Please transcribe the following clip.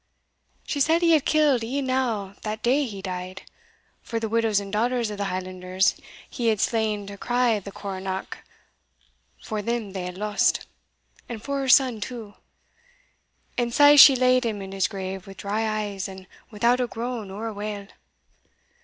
She said he had killed enow that day he died, for the widows and daughters o' the Highlanders he had slain to cry the coronach for them they had lost, and for her son too; and sae she laid him in his gave wi' dry eyes, and without a groan or a wail.